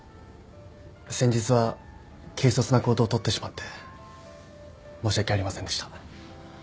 先日は軽率な行動をとってしまって申し訳ありませんでした。